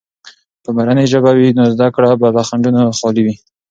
که مورنۍ ژبه وي، نو زده کړه به له خنډونو خالي وي.